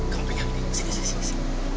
kamu pegang ini sini sini